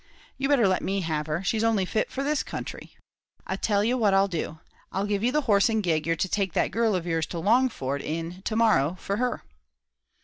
You'd better let me have her; she's only fit for this country. I'll tell you what I'll do: I'll give you the horse and gig you're to take that girl of yours to Longford in to morrow for her."